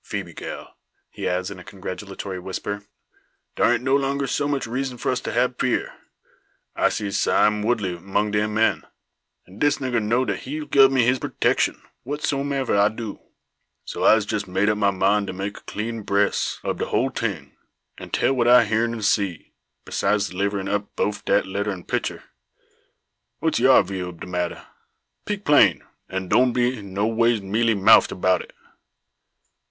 "Phoebe, gal," he adds, in a congratulatory whisper, "dar ain't no longer so much reezun for us to hab fear. I see Sime Woodley mong de men; and dis nigger know dat he'll gub me his purtecshun, whatsomever I do. So I'se jess made up my mind to make a clean bress ob de hul ting, and tell what I heern an' see, besides deliverin' up boaf dat letter an' picter. What's yar view ob de matter? Peak plain, and doan be noways mealy moufed 'bout it."